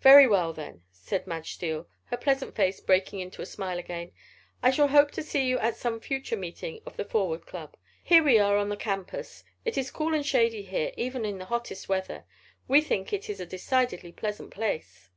"Very well, then," said Madge Steele, her pleasant face breaking into a smile again, "I shall hope to see you at some future meeting of the Forward Club. Here we are on the campus. It is cool and shady here, even in the hottest weather. We think it is a decidedly pleasant place."